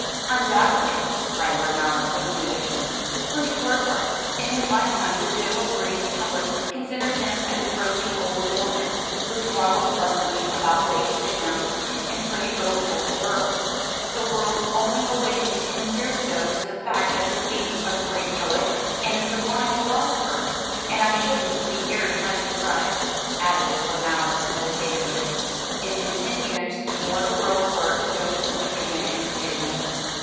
"Undoubtedly!" cried Lord Mallow, with conviction. "Look at Wordsworth; in his lifetime the general reading public considered him a prosy old gentleman, who twaddled pleasantly about lakes and mountains, and pretty little peasant girls. The world only awakened ten years ago to the fact of his being a great poet and a sublime philosopher; and I shouldn't be very much surprised," added Lord Mallow meditatively, "if in ten years more the world were to go to sleep again and forget him."